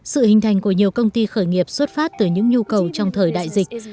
sự hình thành của nhiều công ty khởi nghiệp xuất phát từ những nhu cầu trong thời đại dịch